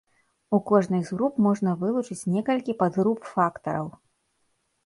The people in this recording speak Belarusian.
У кожнай з груп можна вылучыць некалькі падгруп фактараў.